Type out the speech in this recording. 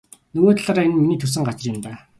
Нөгөө талаар энэ нь миний төрсөн газар юм даа.